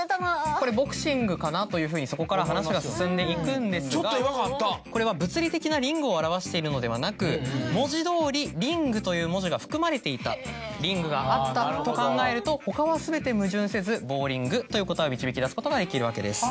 これボクシングかなとそこから話が進んでいくんですがこれは物理的なリングを表しているのではなく文字どおりリングという文字が含まれていたリングがあったと考えると他は全て矛盾せずボウリングという答えを導き出すことができるわけです。